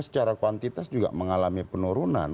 secara kuantitas juga mengalami penurunan